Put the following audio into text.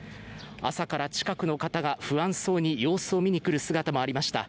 朝から近くの方が不安そうに様子を見に来る姿もありました。